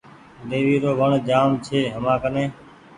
ۮيوي رو وڻ جآم ڇي همآ ڪني